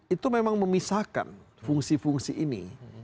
itu memang memisahkan fungsi fungsi ini